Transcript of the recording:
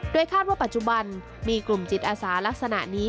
คาดว่าปัจจุบันมีกลุ่มจิตอาสาลักษณะนี้